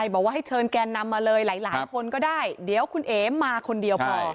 บอกว่าให้เชิญแกนนำมาเลยหลายคนก็ได้เดี๋ยวคุณเอ๋มาคนเดียวพอ